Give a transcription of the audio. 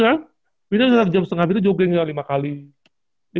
abis fitness kan jam setengah itu jogging ya lima kali